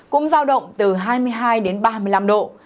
cũng giao động từ hai mươi hai đến ba mươi năm độ